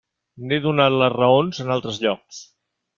N'he donat les raons en altres llocs.